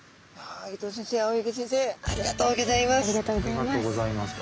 ありがとうございます。